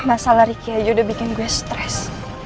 masalah ricky aja udah bikin gue stres